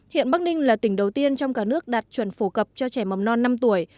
hiện bắc ninh là tỉnh đầu tiên trong cả nước đạt chuẩn phổ cập cho trẻ mầm non năm tuổi